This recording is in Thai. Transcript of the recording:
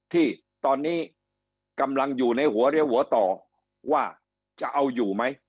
ที่ตอนนี้กำลังอยู่ในหัวเรียวหัวต่อว่าจะเอาอยู่ไหม